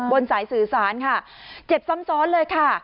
สายสื่อสารค่ะเจ็บซ้ำซ้อนเลยค่ะ